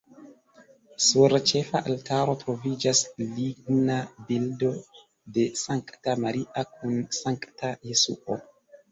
Sur ĉefa altaro troviĝas ligna bildo de Sankta Maria kun sankta Jesuo.